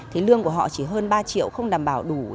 họ chỉ hơn ba triệu không đảm bảo đủ